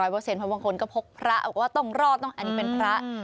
เพราะบางคนก็พกพระบอกว่าต้องรอดต้องอันนี้เป็นพระ